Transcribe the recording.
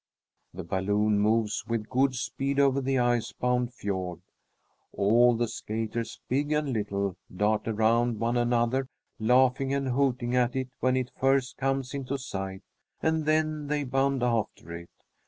The balloon moves with good speed over the ice bound fiord. All the skaters, big and little, dart around one another, laughing and hooting at it when it first comes into sight, and then they bound after it.